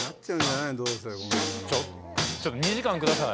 ちょっと２時間ください